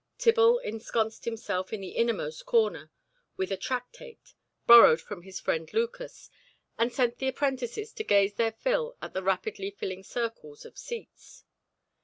Tibble ensconced himself in the innermost corner with a "tractate," borrowed from his friend Lucas, and sent the apprentices to gaze their fill at the rapidly filling circles of seats.